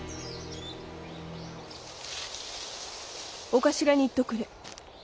お頭に言っとくれ。